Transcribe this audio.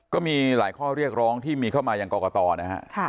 ก็มีหลายข้อเรียกร้องที่มีเข้ามาอย่างกรกตนะฮะ